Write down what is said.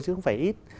chứ không phải ít